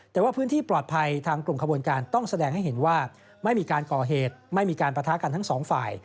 แต่ว่าพื้นที่ปลอดภัยทางกลุ่มขบวนการต้องแสดงให้เห็นว่าไม่มีการก่อเหตุไม่มีการปะทะกันทั้งสองฝ่าย